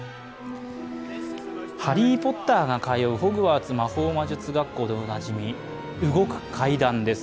ハリー・ポッターが通うホグワーツ魔法魔術学校でおなじみ動く階段です。